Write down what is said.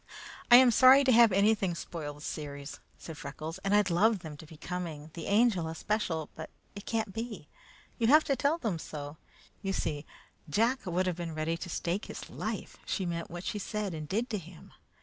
"I am sorry to have anything spoil the series," said Freckles, "and I'd love them to be coming, the Angel especial, but it can't be. You'll have to tell them so. You see, Jack would have been ready to stake his life she meant what she said and did to him.